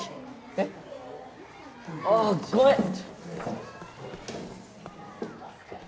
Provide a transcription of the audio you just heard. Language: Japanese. えっ？ああごめん。